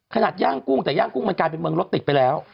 ขนาดย่างกุ้งแต่ย่างกุ้งมันกลายเป็นเมืองรถติดไปแล้ว